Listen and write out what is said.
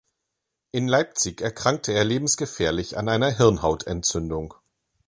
In Leipzig erkrankte er lebensgefährlich an einer Hirnhautentzündung.